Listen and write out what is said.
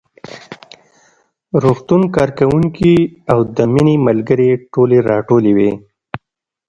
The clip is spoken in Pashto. روغتون کارکوونکي او د مينې ملګرې ټولې راټولې وې